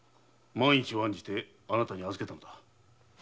万一を案じて貴方に預けたのだろう。